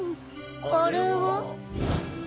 あれは？